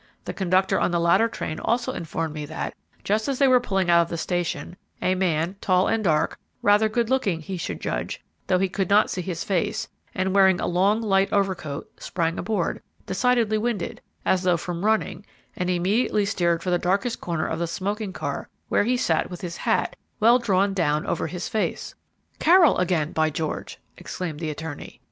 The conductor on the latter train also informed me that, just as they were pulling out of the station, a man, tall and dark, rather good looking, he should judge, though he could not see his face, and wearing a long, light overcoat, sprang aboard, decidedly winded, as though from running, and immediately steered for the darkest corner of the smoking car, where he sat with his hat well drawn down over his face." "Carroll again, by George!" exclaimed the attorney.